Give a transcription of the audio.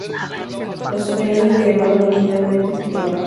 Los españoles le llamaron originalmente Jutiapa.